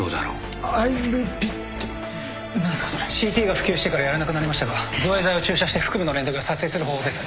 ＣＴが普及してからやらなくなりましたが造影剤を注射して腹部のレントゲンを撮影する方法です。